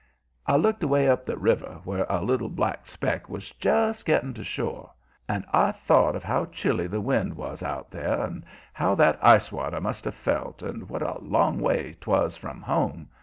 I looked away up the river where a little black speck was just getting to shore. And I thought of how chilly the wind was out there, and how that ice water must have felt, and what a long ways 'twas from home.